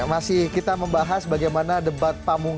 oke masih kita membahas bagaimana debat kedua